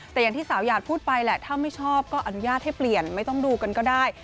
แต่อย่างที่สาวหยาดพูดไปแหละถ้าไม่ชอบก็อนุญาตให้เปลี่ยนไม่ต้องดูกันก็ได้